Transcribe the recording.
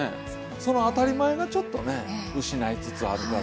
その当たり前がちょっとね失いつつあるから。